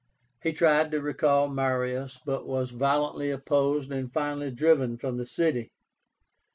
He tried to recall Marius, but was violently opposed and finally driven from the city.